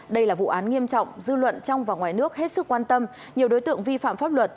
đây là vụ án nghiêm trọng dư luận trong và ngoài nước hết sức quan tâm nhiều đối tượng vi phạm pháp luật